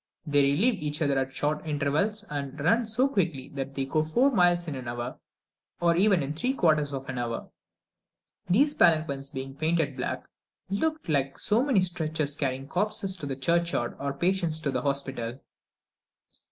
They relieve each other at short intervals, and run so quickly that they go four miles in an hour or even in three quarters of an hour. These palanquins being painted black, looked like so many stretchers carrying corpses to the churchyard or patients to the hospital.